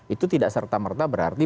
itu tidak serta merta berarti